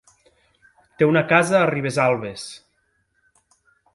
Té una casa a Ribesalbes.